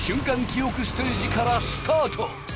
記憶ステージからスタート